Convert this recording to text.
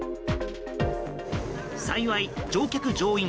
幸い乗客・乗員